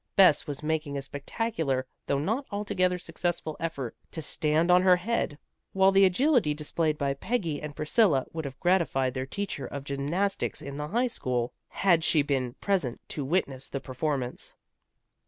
Bess was making a spectacular though not altogether successful effort to stand on her head, while the agility displayed by Peggy and Priscilla would have gratified their teacher of gymnastics in the high school, had she been present to witness the performance.